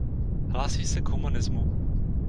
Hlásí se k humanismu.